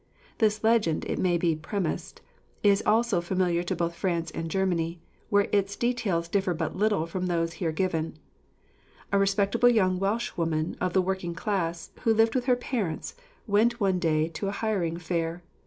This legend, it may be premised, is also familiar to both France and Germany, where its details differ but little from those here given: A respectable young Welshwoman of the working class, who lived with her parents, went one day to a hiring fair.